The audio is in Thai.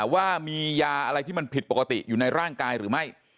ว่ามียาอะไรที่มันผิดปกติอยู่ในร่างกายหรือไม่